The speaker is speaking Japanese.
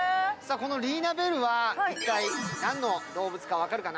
このリーナ・ベルは一体何の動物か分かるかな？